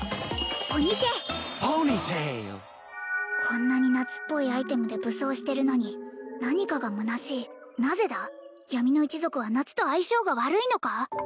こんなに夏っぽいアイテムで武装してるのに何かがむなしいなぜだ闇の一族は夏と相性が悪いのか？